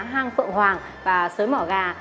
hang phượng hoàng và sới mỏ gà